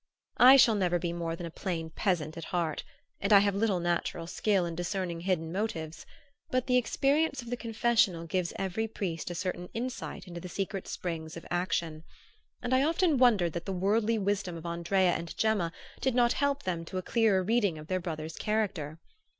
I shall never be more than a plain peasant at heart and I have little natural skill in discerning hidden motives; but the experience of the confessional gives every priest a certain insight into the secret springs of action, and I often wondered that the worldly wisdom of Andrea and Gemma did not help them to a clearer reading of their brother's character.